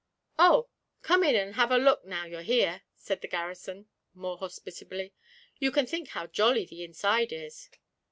'Oh! come in and have a look now you're here,' said the garrison more hospitably. 'You can't think how jolly the inside is.'